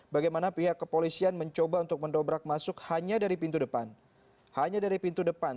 bagaimana pihak kepolisian mencoba untuk mendobrak masuk hanya dari pintu depan